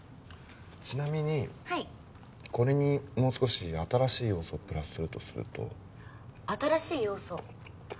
ちなみにこれにもう少し新しい要素をプラスするとすると新しい要素？